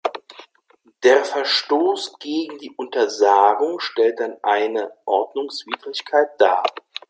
Der Verstoß gegen diese Untersagung stellt dann eine Ordnungswidrigkeit dar.